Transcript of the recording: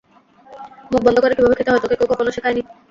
মুখবন্ধ করে কীভাবে খেতে হয় তোকে কেউ কখনো শেখায়নি?